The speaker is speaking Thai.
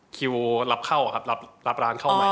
คิวรับเข้าครับรับร้านเข้าใหม่